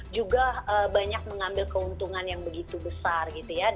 juga banyak mengambil keuntungan yang begitu besar gitu ya